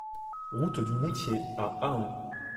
Route du Moutier à Ahun